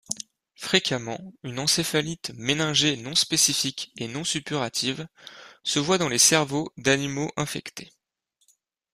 Fréquemment, une encéphalite méningée non-spécifique et non-suppurative se voit dans les cerveaux d'animaux infectés.